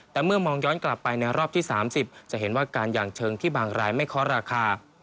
แต่เมื่อมองย้อนกลับไปในรอบที่๓๐จะเห็นว่าการอย่างเชิงที่บางรายไม่เคาะราคา